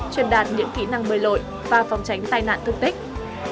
truyền đạt những kỹ năng bơi lội và phòng tránh tai nạn thương tích